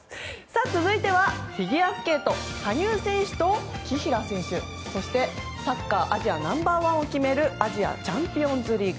続いてはフィギュアスケート羽生選手と紀平選手そして、サッカーアジアナンバー１を決めるアジアチャンピオンズリーグ。